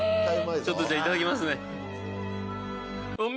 ちょっとじゃあいただきますね。